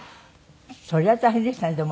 それは大変でしたねでも。